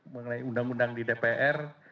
mengenai undang undang di dpr